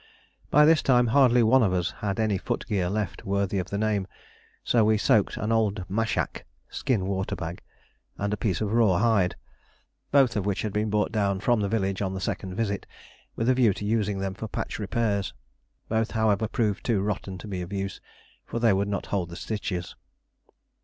By this time hardly one of us had any footgear left worthy of the name, so we soaked an old mashak (skin water bag) and a piece of raw hide, both of which had been brought down from the village on the second visit, with a view to using them for patch repairs. Both, however, proved too rotten to be of use, for they would not hold the stitches.